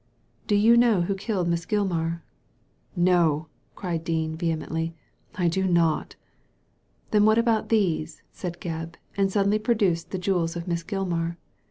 "Do you know who killed Miss Gilmar?" " No I " cried Dean, vehemently, " I do not." " Then what about these ?" said Gebb, and suddenly produced the jewels of Miss Gilmar.